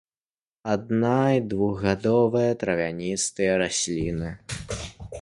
Адна- і двухгадовыя травяністыя расліны.